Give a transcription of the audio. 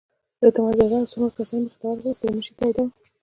اعتماد الدوله او څو نور کسان مخې ته ورغلل، ستړې مشې یې توده وه.